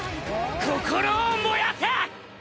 「心を燃やせ！」